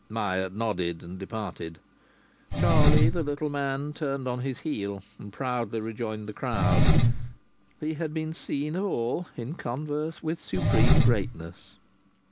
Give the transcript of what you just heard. Myatt nodded and departed. Charlie, the little man, turned on his heel and proudly rejoined the crowd. He had been seen of all in converse with supreme greatness.